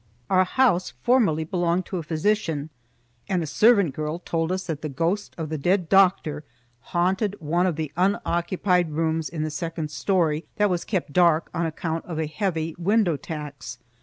Our house formerly belonged to a physician, and a servant girl told us that the ghost of the dead doctor haunted one of the unoccupied rooms in the second story that was kept dark on account of a heavy window tax.